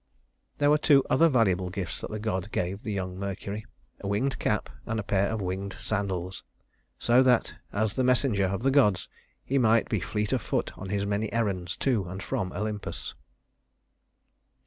There were two other valuable gifts that the gods gave the young Mercury, a winged cap and a pair of winged sandals, so that, as the messenger of the gods, he might be fleet of foot on his many errands to and from Olympus.